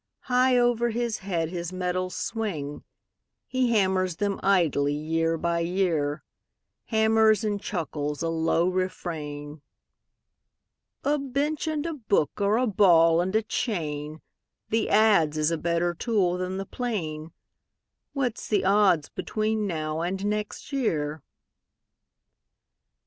High over his head his metals swing; He hammers them idly year by year, Hammers and chuckles a low refrain: "A bench and a book are a ball and a chain, The adze is a better tool than the plane; What's the odds between now and next year?"